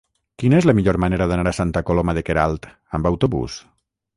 Quina és la millor manera d'anar a Santa Coloma de Queralt amb autobús?